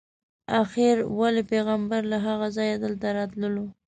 آخر ولې پیغمبر له هغه ځایه دلته راتللو.